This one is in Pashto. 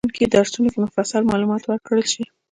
په راتلونکي درسونو کې مفصل معلومات ورکړل شي.